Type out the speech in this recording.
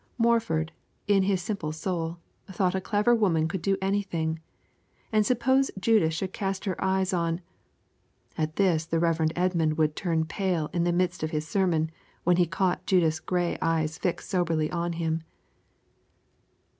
Morford, in his simple soul, thought a clever woman could do anything; and suppose Judith should cast her eyes on at this the Rev. Edmund would turn pale in the midst of his sermon when he caught Judith's gray eyes fixed soberly on him.